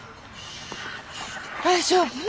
大丈夫？